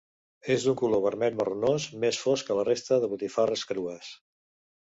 És d'un color vermell-marronós, més fosc que la resta de botifarres crues.